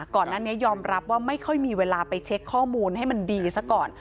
ก่อนหน้านี้ยอมรับว่าไม่ค่อยมีเวลาไปเช็คข้อมูลให้มันดีซะก่อน